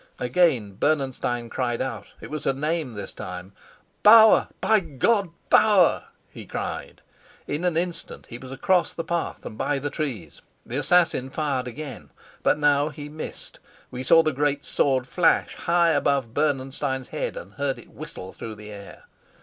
Again Bernenstein cried out. It was a name this time. "Bauer! By God, Bauer!" he cried. In an instant he was across the path and by the trees. The assassin fired again, but now he missed. We saw the great sword flash high above Bernenstein's head and heard it whistle through the air.